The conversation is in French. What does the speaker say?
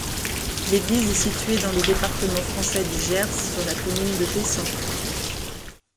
L'église est située dans le département français du Gers, sur la commune de Pessan.